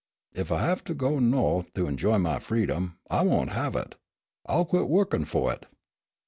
Ef I have to go Nawth to injoy my freedom I won't have it. I'll quit wo'kin fu' it."